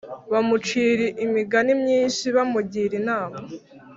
Bamucira Imigani myinshi bamugira inama